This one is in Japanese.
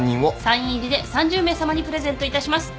サイン入りで３０名さまにプレゼントいたします。